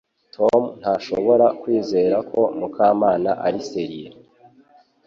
Tom ntashobora kwizera ko Mukamana ari serieux